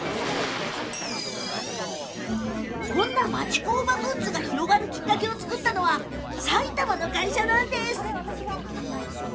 町工場グッズが広がるきっかけを作ったのは埼玉の会社なんです。